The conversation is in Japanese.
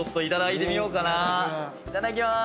いただきます。